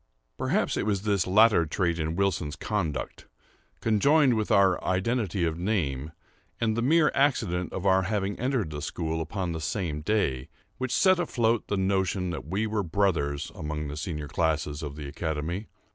Perhaps it was this latter trait in Wilson's conduct, conjoined with our identity of name, and the mere accident of our having entered the school upon the same day, which set afloat the notion that we were brothers, among the senior classes in the academy.